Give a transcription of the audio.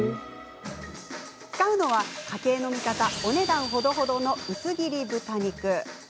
使うのは、家計の味方お値段ほどほどの薄切り豚肉。